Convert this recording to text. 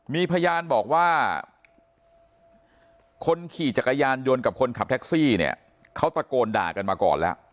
มีพยานบอกว่าคนขี่จักรยานยนต์กับคนขับแท็กซี่เนี่ยเขาตะโกนด่ากันมาก่อนแล้ว